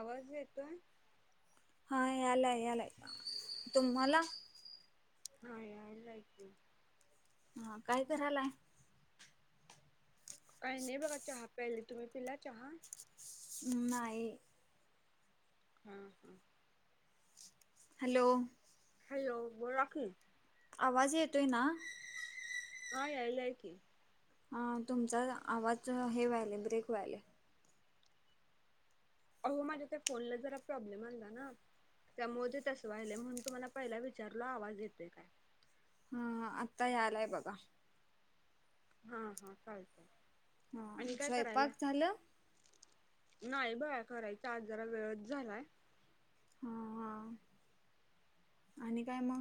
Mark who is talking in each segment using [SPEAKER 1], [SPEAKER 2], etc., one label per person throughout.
[SPEAKER 1] आवाज येतोय?
[SPEAKER 2] हा यालाय यालाय. तुम्हाला?
[SPEAKER 1] हा यायला की.
[SPEAKER 2] हा काय करायलाय?
[SPEAKER 1] काही नाही बघा चहा प्याली. तुम्ही पिला चहा?
[SPEAKER 2] अं नाही.
[SPEAKER 1] हं हं.
[SPEAKER 2] हॅलो,
[SPEAKER 1] हॅलो, बोला की.
[SPEAKER 2] आवाज येतोय ना?
[SPEAKER 1] हा यायलाय की.
[SPEAKER 2] अं तुमचा आवाज जरा हे व्हायला. ब्रेक व्हायला.
[SPEAKER 1] अहो माझ्या त्या फोनला जरा प्रॉब्लेम आला ना. त्यामुळे ते तसं व्हायले. म्हणून तुम्हाला पहिला विचारला आवाज येतोय काय?
[SPEAKER 2] हं, आता यालाय बघा.
[SPEAKER 1] हं हं चालतंय.
[SPEAKER 2] हा
[SPEAKER 1] आणि काय करायला?
[SPEAKER 2] स्वयंपाक झालं
[SPEAKER 1] नाही बया करायचा, आज जरा वेळच झालाय.
[SPEAKER 2] हा हा आणि काय म?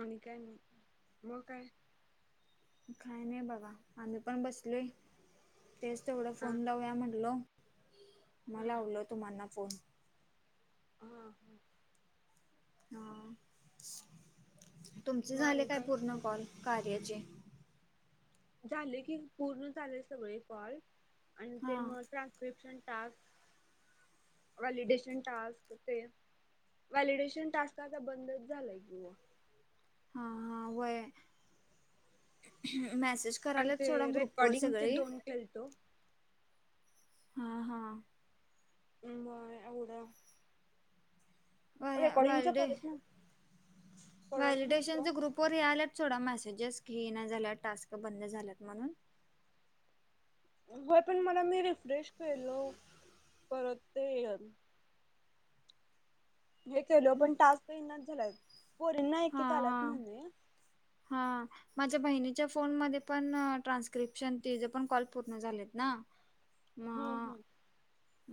[SPEAKER 1] आणि काय नाही. म काय?
[SPEAKER 2] काय नाही बघा. आम्ही पण बसलो, तेच तेवढा
[SPEAKER 1] हा
[SPEAKER 2] फोन लावूया म्हटलो. म
[SPEAKER 1] हा
[SPEAKER 2] लावलं तुम्हाना फोन.
[SPEAKER 1] हं हं.
[SPEAKER 2] अं, तुमचे
[SPEAKER 1] मग
[SPEAKER 2] झाले
[SPEAKER 1] आणि
[SPEAKER 2] काय पूर्ण कॉल कार्याचे?
[SPEAKER 1] झाले की, पूर्ण झाले सगळे कॉल. आणि ते
[SPEAKER 2] हा
[SPEAKER 1] मग ट [unintelligible] टास्क, व्हॅलिडेशन टास्क ते व्हॅलिडेशन टास्क आता बंदच झालाय की मग.
[SPEAKER 2] हं हं, व्हय. मेसेज
[SPEAKER 1] अन
[SPEAKER 2] करायलाच
[SPEAKER 1] ते
[SPEAKER 2] सोडा ग्रुपवर
[SPEAKER 1] रेकॉर्डिंगचे
[SPEAKER 2] सगळी
[SPEAKER 1] दोन केलतो.
[SPEAKER 2] हं हं.
[SPEAKER 1] म एवढ रेकॉर्डिंगच
[SPEAKER 2] व्हॅलिडे
[SPEAKER 1] करत न करत नव्हतो.
[SPEAKER 2] पोरी यायल्यात सोडाया मेसेजेस की ये ना झाल्या टास्क, बंद झाल्यात म्हणून.
[SPEAKER 1] व्हय, पण मला मी रिफ्रेश केलो. परत ते हे केलं. पण टास्क येईनाच झाला. पोरींना एकेक आलात म्हणे.
[SPEAKER 2] हां. माझ्या बहिणीच्या फोन मध्ये पण ट्रान्स्क्रिप्शन तिचे पण कॉल पूर्ण झालेत ना. [unintelligible]
[SPEAKER 1] हं हं.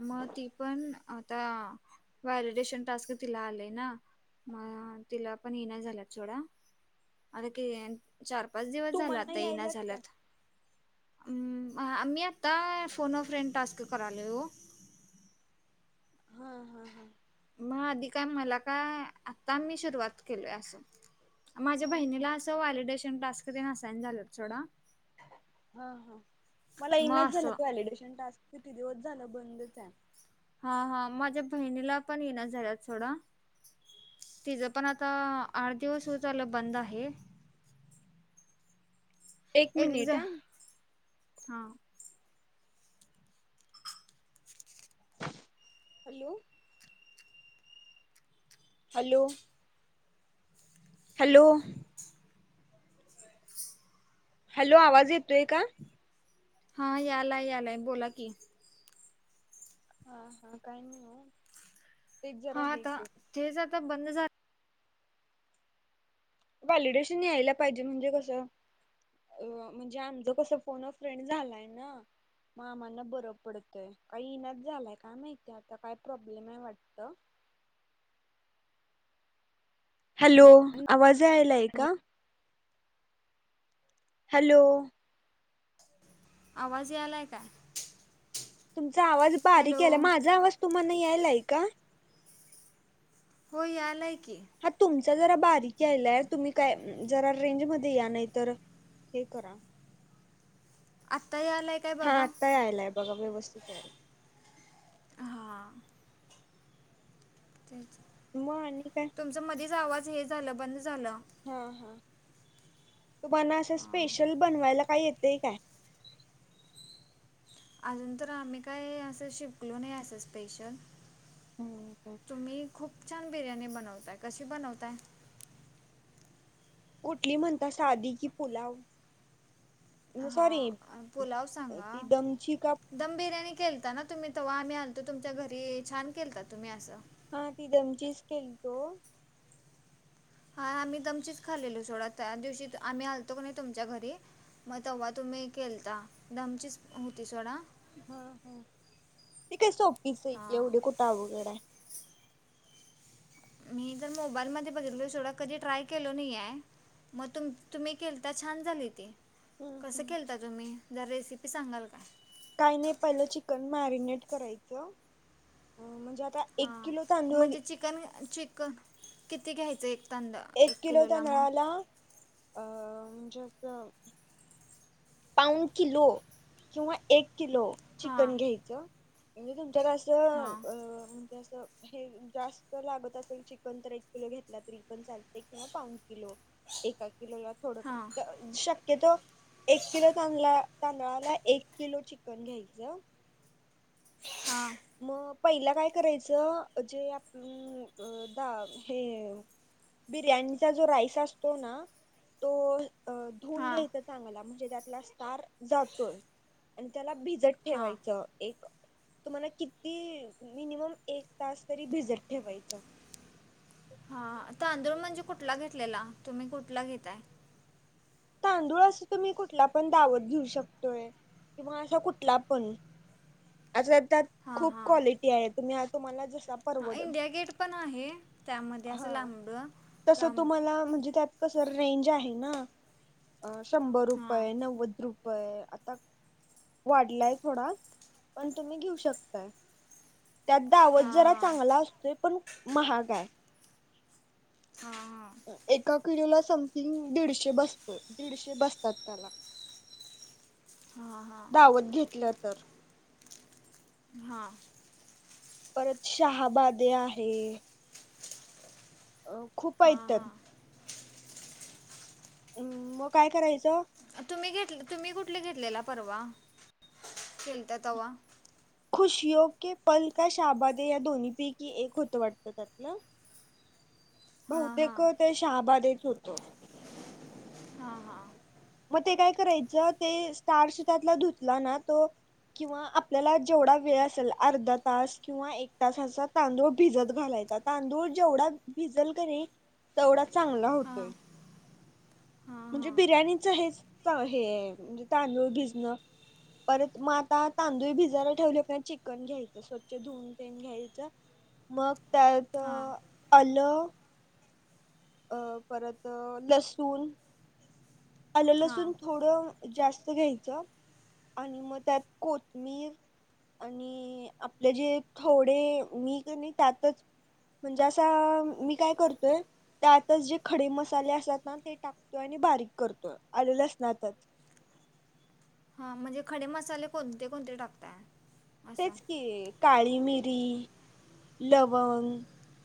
[SPEAKER 2] म ती पण आता व्हॅलिडेशन टास्क तिला आलेय ना. म तिला पण येइना झालं सोडा. आता के चार पाच दिवस झाला
[SPEAKER 1] तुम्हाना
[SPEAKER 2] आता. येइना
[SPEAKER 1] यायल्यात काय?
[SPEAKER 2] झालात. अं, आम्ही आत्ता फोन अ फ्रेंड टास्क करायलो ओ.
[SPEAKER 1] हं हं हं.
[SPEAKER 2] मग आधी काय मला का आता मी सुरुवात केलोय असो माझ्या बहिणीला वॅलिडेशन टास्कसाइन झालं थोडा
[SPEAKER 1] हा हा मला इनाच झालं व्हॅलिडेशन टास्क किती दिवस झालं बंदच आहे
[SPEAKER 2] हा हा माझ्या बहिणीला पण येण झाल्या थोडं तिचं पण आता आठ दिवस हो झालं बंद आहे एक
[SPEAKER 1] मिनिट हा
[SPEAKER 2] हा
[SPEAKER 1] हॅलो हॅलो हॅलो हॅलो आवाज येतोय का
[SPEAKER 2] हा यालाय यालाय बोला की
[SPEAKER 1] हा हा काही नाही आहे
[SPEAKER 2] हा आता तेच आता बंद झालं
[SPEAKER 1] वॉलिडेश न यायला पाहिजे म्हणजे कसं अ म्हणजे आमचं कसं फोन फ्रेंड झालाय ना मामांना बर पडतोय काही इनात झालाय काय माहितीय आता काय प्रॉब्लेम आहे वाटत हॅलो आवाज आयलाय का हॅलो
[SPEAKER 2] आवाज या आलाय काय
[SPEAKER 1] तुमचा आवाज बारीक
[SPEAKER 2] हॅलो
[SPEAKER 1] आहेला माझा आवाज तुम्हाला यायला आहे का
[SPEAKER 2] हो यालाय की
[SPEAKER 1] हा तुमचा जरा बारीक यायलाय तुम्ही काय जरा रेंज मध्ये या नाही तर हे करा
[SPEAKER 2] आत्ता यालाक
[SPEAKER 1] हा आत्ताही आयलाय बघा व्यवस्थित यायला
[SPEAKER 2] हां तेच
[SPEAKER 1] म आणििकय
[SPEAKER 2] तुमचं मधीच आवाज हे झालं बंद झालं
[SPEAKER 1] हा हा तुम्हाना असं
[SPEAKER 2] अं,
[SPEAKER 1] स्पेशल बनवायला काय येतय काय?
[SPEAKER 2] अजून तर आम्ही काय असं शििकलो नाही असं स्पेशल
[SPEAKER 1] हम् हो
[SPEAKER 2] तुम्ही खूप छान बिर्याणी बनवताय कशी बनवताय
[SPEAKER 1] कुठली म्हणता साधी की पुलाव
[SPEAKER 2] हा
[SPEAKER 1] सॉरी
[SPEAKER 2] पुोलाव सांगा
[SPEAKER 1] ती दमची का
[SPEAKER 2] दम बिर्याणी केलता ना तुम्ही तेव्हा आम्ही आलतो तुमच्या घरी छान केलता तुम्ही असं
[SPEAKER 1] हा ती दमचीच केली तो
[SPEAKER 2] हा आम्ही दमचीच खालेलो सोडा त्या दिवशी आम्ही आलतो क नाही तुमच्या घरी मग तेव्हा तुम्ही केलता दमचीच होती सोडा
[SPEAKER 1] ह ह ते काय स फिस आहे
[SPEAKER 2] हां
[SPEAKER 1] एवढे कुठे अ वघड
[SPEAKER 2] मी तर मोबाईल मध्ये बघितलो ोडा कधी ट्राय केल नाही आहे मग तुम तुम्ही केल तर छान झाली तेी
[SPEAKER 1] हम्म
[SPEAKER 2] कसं
[SPEAKER 1] हम्म
[SPEAKER 2] खेलता तुम्ही जर रेसिपी सांगाल का
[SPEAKER 1] काही नाही पहिलं चिकन मॅरिनेट करायचं म्हणजे आता एक
[SPEAKER 2] हा
[SPEAKER 1] किलो तांदूळ
[SPEAKER 2] म्हणजे चिकन चिकन किती घ्यायच एक तांदा
[SPEAKER 1] एक किलो
[SPEAKER 2] किलोला मग
[SPEAKER 1] तांदळाला अ म्हणजे अस पाऊण किलो किंवा एक किलो
[SPEAKER 2] हां
[SPEAKER 1] चिकन घ्यायचं म्हणजे तुमच्यात अस
[SPEAKER 2] हां
[SPEAKER 1] अ म्हणजे अस हे जास्त लागत असेल चिकन तर एक किलो घेतला तरी पण चाल किंवा पाऊण किलो एका किलोला थोड
[SPEAKER 2] हां
[SPEAKER 1] शक्यतो एक किलो तांदळा तांदळाला एक किलो चिकन घ्यायचं.
[SPEAKER 2] हा!
[SPEAKER 1] मग पहिला काय करायचं जे आपण दा हे बिर्याणीचा जो राईस असतो ना तो अ धुऊन
[SPEAKER 2] हां
[SPEAKER 1] घ्यायच चांगला म्हणजे त्यातला स्टार जातोय आणि त्याला भिजत
[SPEAKER 2] हां
[SPEAKER 1] ठेवायच एक तुम्हाना किती मिनिमम एक तास तरी भिजत ठेवायच.
[SPEAKER 2] हा तांदूळ म्हणजे कुठला घेतल्याला तुम्ही कुठला घेताय.
[SPEAKER 1] तांदूळ अस तुम्ही कुठला पण दावत घेऊ शकतोय किंवा असा कुठला पण आशा त्यात
[SPEAKER 2] हां
[SPEAKER 1] खूप
[SPEAKER 2] हां
[SPEAKER 1] क्वालिटी आहेत तुम्ही अस [unintelligible] पार
[SPEAKER 2] हां
[SPEAKER 1] वड
[SPEAKER 2] इंडिया गेट पण आहे त्यामध्ये असं लांबडं
[SPEAKER 1] तस
[SPEAKER 2] लांब
[SPEAKER 1] तुम्हाला म्हणजे त्यात. कस रेंज आहे ना शंभर
[SPEAKER 2] हां
[SPEAKER 1] रुपय नव्वद रुप य आता वाढलाय थोडा पण तुम्ही घेऊ शकताय. त्यात दावत
[SPEAKER 2] हां
[SPEAKER 1] जरा
[SPEAKER 2] हां
[SPEAKER 1] चांगला असतोय पण महाग हाय.
[SPEAKER 2] हा हा!
[SPEAKER 1] एका किलोला समथिंग दीडशे बसतील दीडशे बसतात त्याला
[SPEAKER 2] हा हा‌!
[SPEAKER 1] दावत घेतलं तर.
[SPEAKER 2] हा!
[SPEAKER 1] परत शहाबादे आहे! अ खूप हायत
[SPEAKER 2] हां
[SPEAKER 1] त्यात
[SPEAKER 2] हां
[SPEAKER 1] हम्म मग काय करायचं.
[SPEAKER 2] तुम्ही घेत तुम्ही कुठले घेतलेला परवा गेलता तवा.
[SPEAKER 1] खुशियों के पल काय शहाबादीयां दोन्ही पैकी एक होतं वाटत.
[SPEAKER 2] हां हां
[SPEAKER 1] बहुतेक ते शहाबादेच होत.
[SPEAKER 2] हा हा!
[SPEAKER 1] मग ते काय करायचं ते स्टारश त्यातला धुतला ना तो किंवा आपल्याला जेवढा वेळ असेल अर्धा तास किंवा एक तास असा तांदूळ भिजत घालायचा. तांदूळ जेवढा भिजल कणी तेवढा चांगला
[SPEAKER 2] हां
[SPEAKER 1] होतोय.
[SPEAKER 2] हां
[SPEAKER 1] म्हणजे
[SPEAKER 2] हां
[SPEAKER 1] बिर्याणीच हेच हे म्हणजे तांदूळ भिजणं परत मग आता तांदूळी भिजायला ठेवले की चिकन घ्यायच स्वच्छ धुवून तेन घ्यायचं मग त्यात
[SPEAKER 2] हां
[SPEAKER 1] आलं अ परत लसूण आलं लसून!
[SPEAKER 2] हां
[SPEAKER 1] थोडं जास्त घ्यायच आणि मग त्यात कोथमीर की आपले जे थोडे मी कणी त्यातच म्हणजे असा मी काय करतोय त्यातच जे खडे मसाले असतात ना ते टाकतो आणि बारीक करतो आल लसनातच
[SPEAKER 2] हा म्हणजे खडे मसाले कोणते कोणते टाकताय? असं
[SPEAKER 1] तेच की. काळी मिरी, लवंग,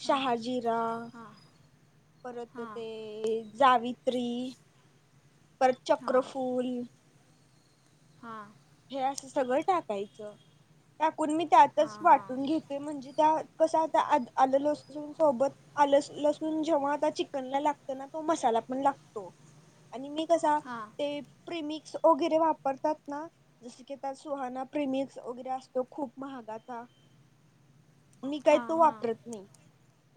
[SPEAKER 1] शहाजिरा
[SPEAKER 2] हां
[SPEAKER 1] परत
[SPEAKER 2] हां
[SPEAKER 1] ते जावित्री परत चक्रफूल.
[SPEAKER 2] हा.
[SPEAKER 1] हे असं सगळं टाकायचं. टाकून मी
[SPEAKER 2] हां
[SPEAKER 1] त्यातच
[SPEAKER 2] हां
[SPEAKER 1] वाटून घेते. म्हणजे त्या कसा आलं लसुन सोबत आल लसूण जेव्हा आता चिकनला लागतं ना तो मसाला पण लागतो. आणि मी कसा
[SPEAKER 2] हां
[SPEAKER 1] ते प्रेमिक्स वगैरे वापरतात ना. जस की त्या सुहाना प्रिमिक्स वगैरे असतो खूप महागा चा मी काही
[SPEAKER 2] हां
[SPEAKER 1] तो
[SPEAKER 2] हां
[SPEAKER 1] वापरत नाही.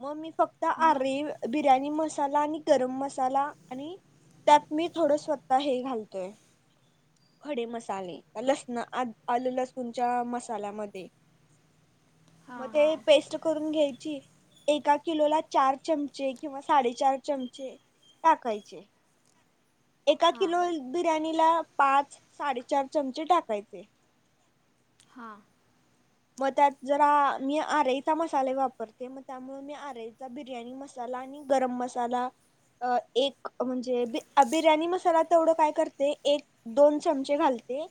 [SPEAKER 1] मग मी फक्त
[SPEAKER 2] मग
[SPEAKER 1] आरे बिर्याणी मसाला आणि गरम मसाला आणि त्यात मी थोडं स्वतः हे घालतोय खडे मसाले. लसण आ आल लसूणच्या मसाल्यामध्ये.
[SPEAKER 2] हां
[SPEAKER 1] म ते
[SPEAKER 2] हां
[SPEAKER 1] पेस्ट करून घ्यायची. एका किलो ला चार चमचे किंवा साडे चार चमचे टाकायचे. एका
[SPEAKER 2] हां
[SPEAKER 1] किलो बिर्याणीला पाच साडेचार चमचे टाकायचे.
[SPEAKER 2] हा.
[SPEAKER 1] मग त्यात जरा. मी आरईचा मसाले वापरते मग त्यामुळे मी आरईचा बिर्याणी मसाला आणि गरम मसाला अ एक म्हणजे बिर्याणी मसाला तेवढं काय करते एक दोन चमचे घालते.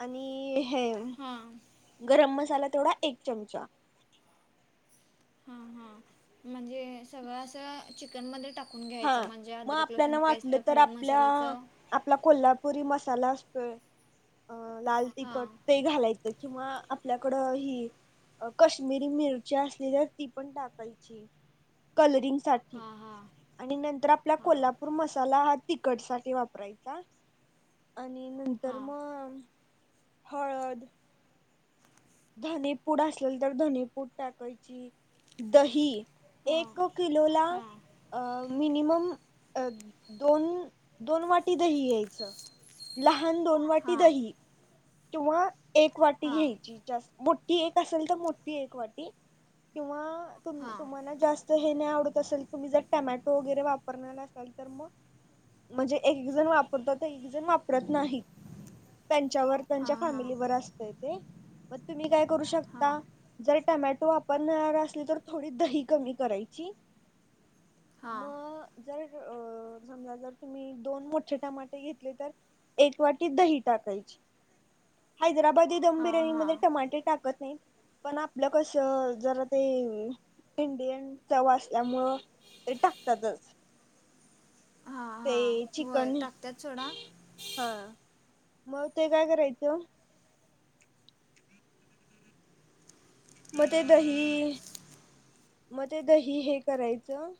[SPEAKER 1] आणि हे
[SPEAKER 2] हा.
[SPEAKER 1] गरम मसाला तेवढा एक चमचा.
[SPEAKER 2] हां हां. म्हणजे सगळं असं चिकनमध्ये टाक टाकून घ्यायचं
[SPEAKER 1] हा
[SPEAKER 2] म्हणजे
[SPEAKER 1] मग
[SPEAKER 2] अदरक लसूण
[SPEAKER 1] आपल्याला
[SPEAKER 2] पेस्ट
[SPEAKER 1] वाटलं तर
[SPEAKER 2] खडे
[SPEAKER 1] आपल्या
[SPEAKER 2] मसाल्याचं
[SPEAKER 1] आपला कोल्हापुरी मसाला असतोय अ लाल तिखट
[SPEAKER 2] हां
[SPEAKER 1] ते घालायचं किंवा आपल्याकडं हि कश्मीरी मिरच्या असलेल्या ती पण टाकायची. कलरिंग साठी.
[SPEAKER 2] हां हां
[SPEAKER 1] आणि नंतर आपला कोल्हापूर मसाला हा तिखट साठी वापरायचा. आणि नंतर
[SPEAKER 2] हां
[SPEAKER 1] मग हळद धनेपूड असेल तर धनेपूड टाकायची. दही
[SPEAKER 2] हां
[SPEAKER 1] एक किलो ला
[SPEAKER 2] हां
[SPEAKER 1] अ मिनिमम अ दोन दोन वाटी दही घ्यायचं. लहान दोन वाटी
[SPEAKER 2] हां
[SPEAKER 1] दही किंवा एक वाटी
[SPEAKER 2] हां
[SPEAKER 1] घ्यायची. जास्त मोठी एक असेल तर मोठी एक वाटी किंवा तुम्हाला
[SPEAKER 2] हां
[SPEAKER 1] तुम्हाला जास्त हे नाही आवडत असेल तुम्ही जर टोमॅटो वगैरे वापरणार असाल तर मग म्हणजे एक एक जण वापरतात एक एक जण वापरत नाहीत. त्यांच्यावर त्यांच्या
[SPEAKER 2] हां हां
[SPEAKER 1] फॅमिलीवर असतय ते मग तुम्ही काय करू
[SPEAKER 2] हां
[SPEAKER 1] शकता जर टमॅटो वापरणार असल तर थोडी दही कमी करायची.
[SPEAKER 2] हां हां
[SPEAKER 1] मग जर अ जर तुम्ही दोन मोठे टमाटे घेतले तर एक वाटी दही टाकायची. हैदराबादी दम
[SPEAKER 2] हां हां
[SPEAKER 1] बिर्याणी मध्ये टमाटे टाकत नाही पण आपलं कस जरा ते इंडियन चव असल्यामुळं ते टाकतातच.
[SPEAKER 2] हा हा.
[SPEAKER 1] ते चिकन. हा. मग ते काय करायचं? म ते दही. म ते दही हे करायचं-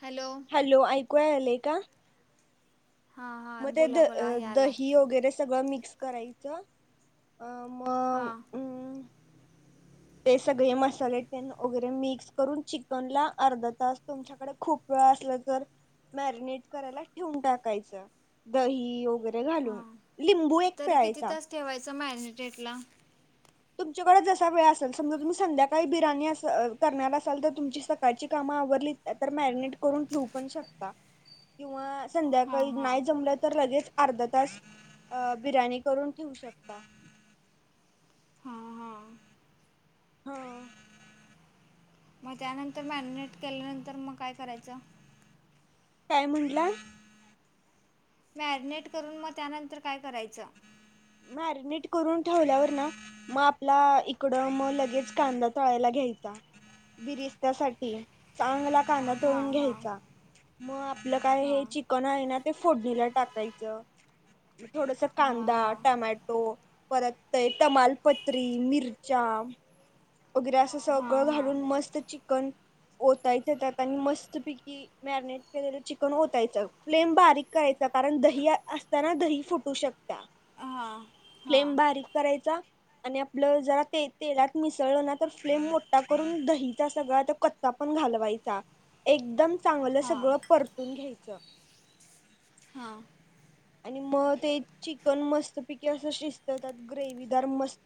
[SPEAKER 2] हॅलो.
[SPEAKER 1] हॅलो. ऐकू यायलय का?
[SPEAKER 2] हां
[SPEAKER 1] म
[SPEAKER 2] हां
[SPEAKER 1] ते
[SPEAKER 2] बोला
[SPEAKER 1] द
[SPEAKER 2] बोला यालाय
[SPEAKER 1] दही वगैरे- सगळं मिक्स करायचं. मग
[SPEAKER 2] हां
[SPEAKER 1] अं - ते सगळे मसाले ते न वगैरे मिक्स करून चिकन ला अर्धा तास तुम- - च्या कडे खूप वेळ असला तर मॅरिनेट करायला ठेवून टाकायचं. दही वगैरे घालून.
[SPEAKER 2] हां
[SPEAKER 1] लिंबू एक -
[SPEAKER 2] तरी किती तास ठेवायचं? मॅरीनेटला?
[SPEAKER 1] तुमच्याकडे जसा वेळ असेल. समजा तुम्ही संध्याकाळी बिराणी अस करणार असाल तर तुमची सकाळची कामं आवरली- तर मॅरिनेट करून ठेऊ पण शकता. किंवा
[SPEAKER 2] हां
[SPEAKER 1] संध्याकाळी
[SPEAKER 2] हां
[SPEAKER 1] नाही जमलं तर लगेच- अर्धा तास बिर्याणी करून ठेवू शकता.
[SPEAKER 2] हां हां
[SPEAKER 1] हा.
[SPEAKER 2] मग त्यानंतर मॅरिनेट केल्यानंतर मग काय करायचं?
[SPEAKER 1] काय म्हटलं?
[SPEAKER 2] मॅरिनेट करून मग त्यानंतर काय करायचं?
[SPEAKER 1] मॅरिनेट करून ठेवल्यावर ना- म आपला इकडं मग लगेच कांदा तळायला घ्यायचा. बिरिस्त्यासाठी. चांगला कांदा
[SPEAKER 2] हां
[SPEAKER 1] तळून
[SPEAKER 2] हां
[SPEAKER 1] घ्यायचा. मग आपलं काय हे
[SPEAKER 2] हां
[SPEAKER 1] चिकन आहे ना ते फोडणीला टाकायचं. थोडसा कांदा-
[SPEAKER 2] हां
[SPEAKER 1] टमॅटो. परत ते तमालपत्री, मिरच्या. वगैरे असं
[SPEAKER 2] हां
[SPEAKER 1] सगळं
[SPEAKER 2] हां
[SPEAKER 1] घालून मस्त चिकन ओतायच त्यात. आणि मस्त पैकी- मॅरिनेट केलेल चिकन ओतायच. फ्लेम बारीक करायच कारण दही- कारण दही फुटू शकता.
[SPEAKER 2] हां हां
[SPEAKER 1] फ्लेम
[SPEAKER 2] हां
[SPEAKER 1] बारीक करायचा आणि आपलं जरा ते तेलात मिस- ळ ना तर फ्लेम मोठा करून दहीचा सगळा कचचा पण घालवायचा. एकदम चांगलं
[SPEAKER 2] हां
[SPEAKER 1] सगळं परतून घ्यायचं.
[SPEAKER 2] हा.
[SPEAKER 1] आणि मग ते चिकन मस्त पैकी असं शिजत. त्यात ग्रेव्हीदार मस्त-